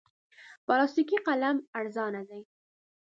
پلاستیکي قلم ارزانه دی.